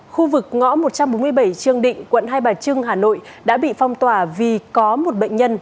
khu vực ngõ một trăm bốn mươi bảy trương định quận hai bà trưng hà nội đã bị phong tỏa vì có một bệnh nhân